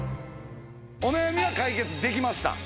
お悩みは解決できました。